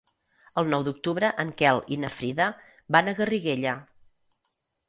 El nou d'octubre en Quel i na Frida van a Garriguella.